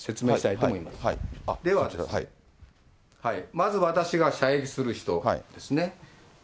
まず私が射撃する人ですね。